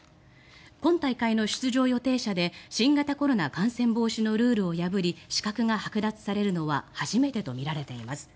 今大会の出場予定者で新型コロナ感染防止のルールを破り資格がはく奪されるのは初めてとみられています。